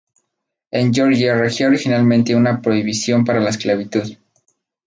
En Georgia regía originalmente una prohibición para la esclavitud.